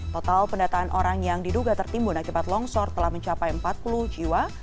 total pendataan orang yang diduga tertimbun akibat longsor telah mencapai empat puluh jiwa